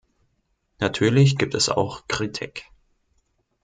Natürlich gibt es auch Kritik.